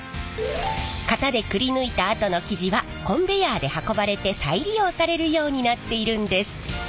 型でくりぬいたあとの生地はコンベヤーで運ばれて再利用されるようになっているんです。